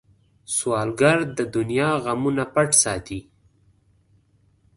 سوالګر د دنیا غمونه پټ ساتي